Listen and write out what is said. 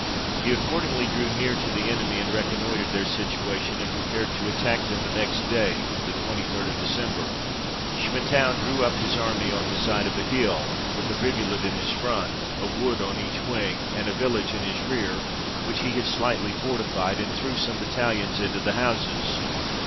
He accordingly drew near to the enemy, and reconnoitred their situation, and prepared to attack them the next day, the 23rd of December. Schmettau drew up his army on the side of a hill, with a rivulet in his front, a wood on each wing, and a village in his rear, which he had slightly fortified, and threw some battalions into the houses.